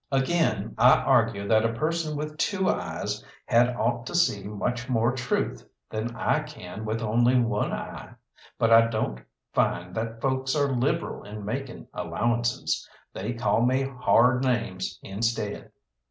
Again, I argue that a person with two eyes had ought to see much more truth than I can with only one eye; but I don't find that folks are liberal in making allowances. They call me hard names instead.